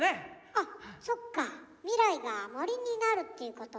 あそっか未来が森になるっていうことは。